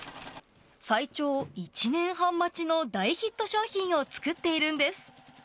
最長１年半待ちの大ヒット商品を作っているんです。